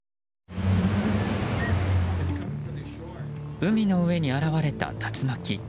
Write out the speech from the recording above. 海の上に現れた竜巻。